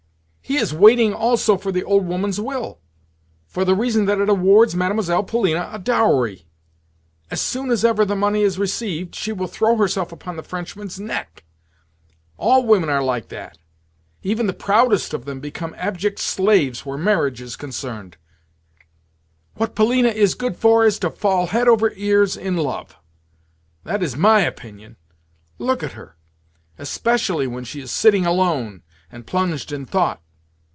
"He is waiting also for the old woman's will, for the reason that it awards Mlle. Polina a dowry. As soon as ever the money is received, she will throw herself upon the Frenchman's neck. All women are like that. Even the proudest of them become abject slaves where marriage is concerned. What Polina is good for is to fall head over ears in love. That is my opinion. Look at her—especially when she is sitting alone, and plunged in thought.